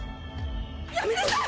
やめなさい！